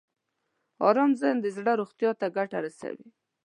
ارام ذهن د زړه روغتیا ته ګټه رسوي.